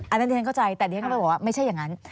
อันนั้นเรียนเข้าใจแต่นี่เขาก็บอกว่าไม่ใช่อย่างนั้น